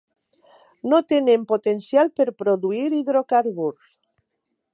No tenen potencial per produir hidrocarburs.